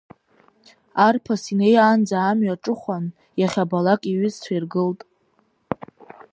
Арԥаз инеиаанӡа амҩа аҿыкәан, иахьабалак иҩызцәа иргылт.